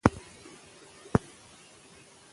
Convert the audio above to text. ارامه فضا سکون زیاتوي.